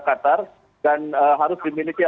qatar dan harus dimiliki